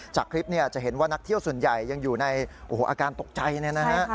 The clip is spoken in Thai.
จากคลิปเนี่ยจะเห็นว่านักเที่ยวส่วนใหญ่ยังอยู่ในอาการตกใจเนี่ยนะฮะ